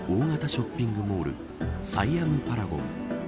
ショッピングモールサイアム・パラゴン。